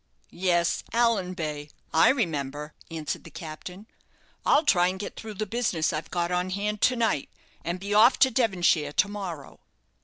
"Yes, Allanbay I remember," answered the captain. "I'll try and get through the business I've got on hand to night, and be off to Devonshire to morrow."